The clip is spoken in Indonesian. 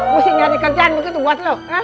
mesti nyari kerjaan begitu buat lo